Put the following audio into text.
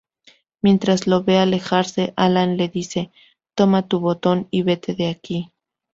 Mientras lo ve alejarse Alan le dice ""toma tu botón y vete de aquí"".